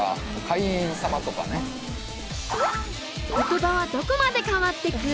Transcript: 言葉はどこまで変わってく？